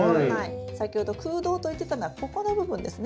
先ほど空洞と言ってたのはここの部分ですね。